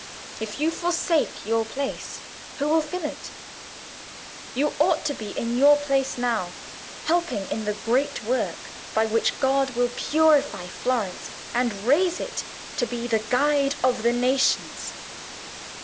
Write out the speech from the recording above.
If you forsake your place, who will fill it? You ought to be in your place now, helping in the great work by which God will purify Florence, and raise it to be the guide of the nations.